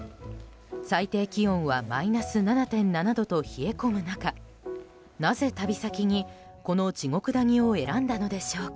最低気温はマイナス７．７度と冷え込む中なぜ旅先にこの地獄谷を選んだのでしょうか。